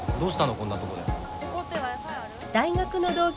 こんなとこで。